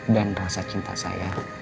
dan rasa cinta saya